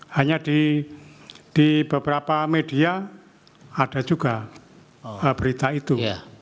hanya di beberapa media ada juga berita itu